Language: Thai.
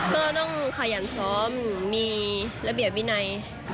ก็ต้องขยันซ้อมมีระเบียบวินัย